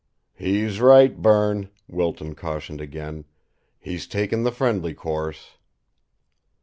"He's right, Berne," Wilton cautioned again. "He's taken the friendly course."